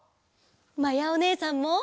まやおねえさんも！